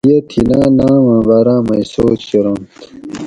پۤرہ یہ تھِل آۤں لاۤم آۤں باۤراۤ مئ سوچ کۤرونت